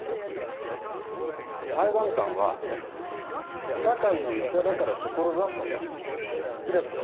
裁判官は社会の医者だから志したと日高さん